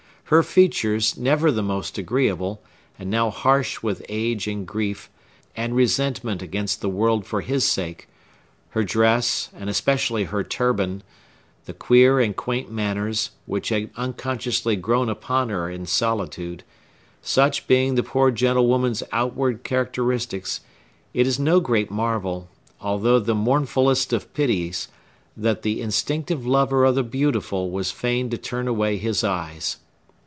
Her features, never the most agreeable, and now harsh with age and grief, and resentment against the world for his sake; her dress, and especially her turban; the queer and quaint manners, which had unconsciously grown upon her in solitude,—such being the poor gentlewoman's outward characteristics, it is no great marvel, although the mournfullest of pities, that the instinctive lover of the Beautiful was fain to turn away his eyes.